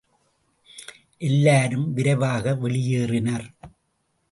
எல்லாரும் விரைவாக வெளியேறினர்.